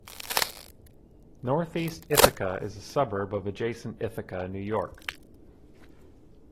Northeast Ithaca is a suburb of adjacent Ithaca, New York.